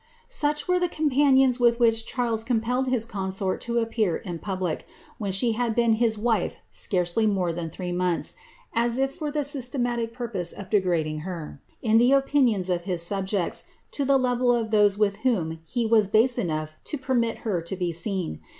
'' Such were the companions with whom Charles compelled his consort to appear in public, when ahe had been liis wife scarcely more than three months, as if for the aystematie pur pose of degrading her, in the opinions of his subjects, to the level of those with whom he was base enough to permit her to be seen.